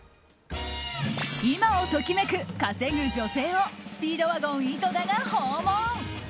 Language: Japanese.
今を時めく稼ぐ女性をスピードワゴン井戸田が訪問。